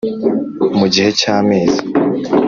mu gihe cy amezi